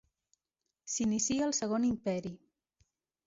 S'inicia el Segon Imperi.